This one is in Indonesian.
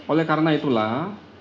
oleh karena itulah